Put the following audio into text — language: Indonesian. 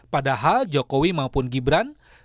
padahal jokowi maupun gibran